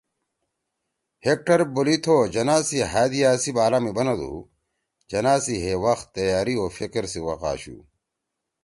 ہیکٹر بولیتھو (Hector Bolitho) جناح سی ہأ دِیا سی بارا می بنَدُو ”جناح سی ہے وَخ تیاری او فِکر سی وَخ آشُو